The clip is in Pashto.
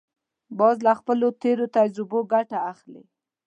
باز له خپلو تېرو تجربو ګټه اخلي